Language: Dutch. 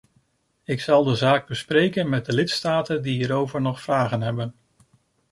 Ik zal de zaak bespreken met de lidstaten die hierover nog vragen hebben.